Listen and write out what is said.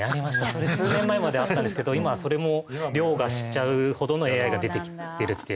それ数年前まであったんですけど今はそれも凌駕しちゃうほどのＡＩが出てきてるっていう感じ。